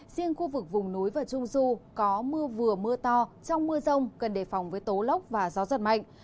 riêng khu vực vùng núi và trung du có mưa vừa mưa to trong mưa rông cần đề phòng với tố lốc và gió giật mạnh